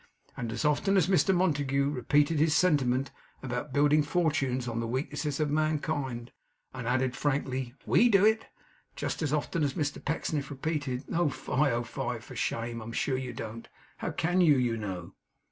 And as often as Mr Montague repeated his sentiment about building fortunes on the weaknesses of mankind, and added frankly, 'WE do it!' just as often Mr Pecksniff repeated 'Oh fie! oh fie, for shame! I am sure you don't. How CAN you, you know?